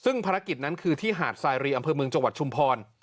ซึ่งภารกิจนั้นคือที่หาดสายรีอำเภอเมืองจังหวัดชุมพร